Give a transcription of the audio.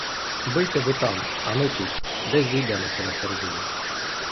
Бийте ви там, а ми тут — десь зійдемося на середині.